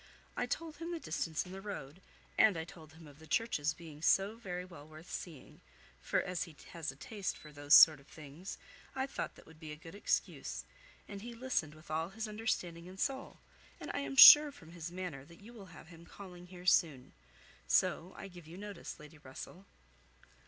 I told him the distance and the road, and I told him of the church's being so very well worth seeing; for as he has a taste for those sort of things, I thought that would be a good excuse, and he listened with all his understanding and soul; and I am sure from his manner that you will have him calling here soon. So, I give you notice, Lady Russell."